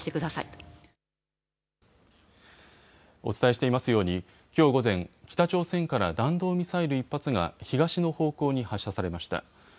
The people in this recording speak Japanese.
お伝えしていますようにきょう午前、北朝鮮から弾道ミサイル１発が東の方向に発射されました。